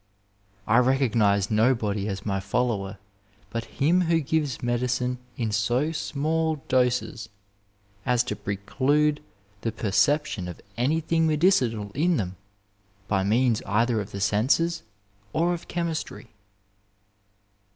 ^ I recog nize nobody as my follower but him who gives medicine in so small doses as to preclude the perception of anything medicinal in them by means either of the senses or of chemistry.'